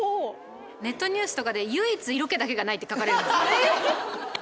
ネットニュースとかで「唯一色気だけがない」って書かれる。